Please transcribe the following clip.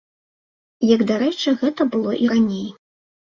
Як дарэчы, гэта было і раней.